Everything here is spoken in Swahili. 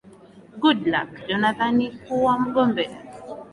goodluck jonathan kuwa mgombea